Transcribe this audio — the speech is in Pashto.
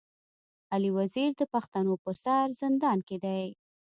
علي وزير د پښتنو پر سر زندان کي دی.